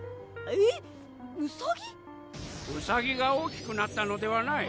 ウサギが大きくなったのではない。